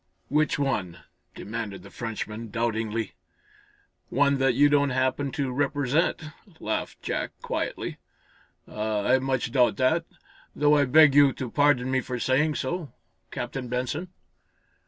"Which one?" demanded the Frenchman, doubtingly. "One that you don't happen to represent," laughed Jack, quietly. "Ah, I much doubt it, though I beg you to pardon me for saying so, Captain Benson."